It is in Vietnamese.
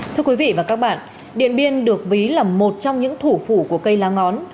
thưa quý vị và các bạn điện biên được ví là một trong những thủ phủ của cây lá ngón